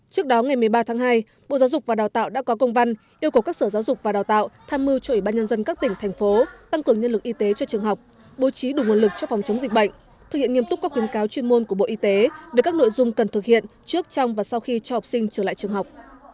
trước đó ngày một mươi ba tháng hai bộ giáo dục và đào tạo đã có công văn yêu cầu các sở giáo dục và đào tạo tham mưu cho ủy ban nhân dân các tỉnh thành phố tăng cường nhân lực y tế cho trường học bố trí đủ nguồn lực cho phòng chống dịch bệnh thực hiện nghiêm túc các khuyến cáo chuyên môn của bộ y tế về các nội dung cần thực hiện trước trong và sau khi cho học sinh trở lại trường học